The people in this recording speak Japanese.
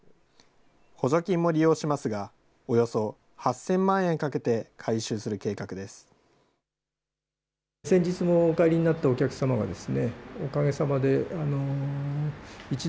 補助金も利用しますが、およそ８０００万円かけて改修する計画です。